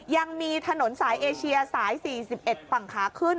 ยังมีถนนสายเอเชียสาย๔๑ฝั่งขาขึ้น